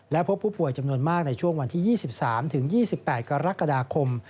และพบผู้ป่วยจำนวนมากในช่วงวันที่๒๓๒๘กรกฎาคม